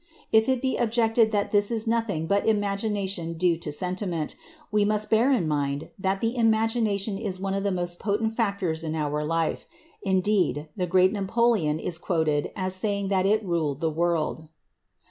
If it be objected that this is nothing but imagination due to sentiment, we must bear in mind that imagination is one of the most potent factors in our life; indeed, the great Napoleon is quoted as saying that it ruled the world.